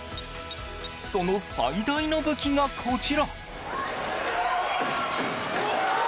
その最大の武器が、こちら。